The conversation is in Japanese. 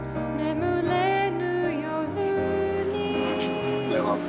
おはようございます。